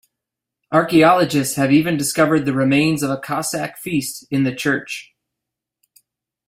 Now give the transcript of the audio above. Archaeologists have even discovered the remains of a Cossack feast in the church.